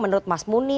menurut mas muni